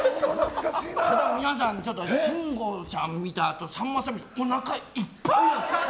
皆さん、慎吾さん見たあとさんまさん見ておなかいっぱいや。